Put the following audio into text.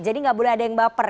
jadi gak boleh ada yang baper